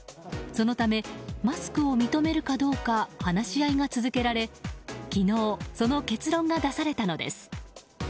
そのためマスクを認めるかどうか話し合いが続けられ昨日、その結論が出されたのです。